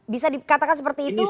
bisa dikatakan seperti itu bang fajrul